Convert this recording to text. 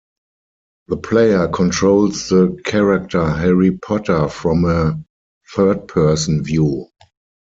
The player controls the character Harry Potter from a third-person view.